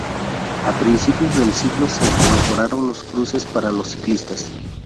A principios del siglo se mejoraron los cruces para los ciclistas.